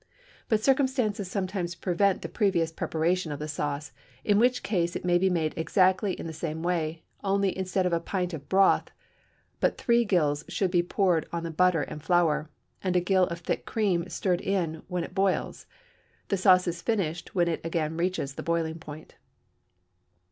But circumstances sometimes prevent the previous preparation of the sauce, in which case it may be made exactly in the same way, only instead of a pint of broth, but three gills should be poured on the butter and flour, and a gill of thick cream stirred in when it boils; the sauce is finished when it again reaches the boiling point.